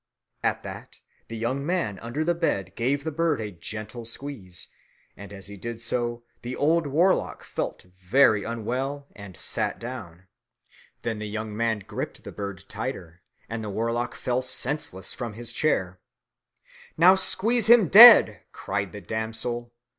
At that the young man under the bed gave the bird a gentle squeeze; and as he did so, the old warlock felt very unwell and sat down. Then the young man gripped the bird tighter, and the warlock fell senseless from his chair. "Now squeeze him dead," cried the damsel.